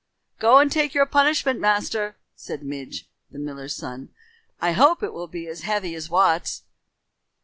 "Go and take your punishment, master," said Midge, the miller's son. "I hope it will be as heavy as Wat's."